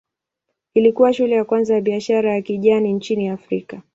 Ilikuwa shule ya kwanza ya biashara ya kijani nchini Afrika.